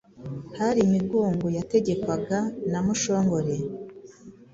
Hari Migongo yategekwaga na Mushongore